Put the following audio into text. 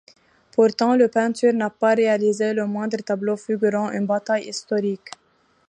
Pourtant le peintre n'a pas réalisé le moindre tableau figurant une bataille historique.